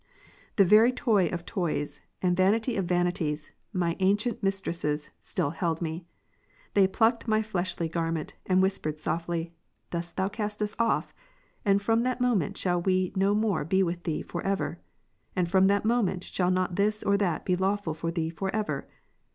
26. The very toys of toys, and vanities of vanities, my ancient mistresses, still held me ; they plucked my fleshly garment, and whispered softly, " Dost thou cast us off? and from that moment shall we no more be with thee for ever ? and from that moment shall not this or that be lawful for thee for ever?"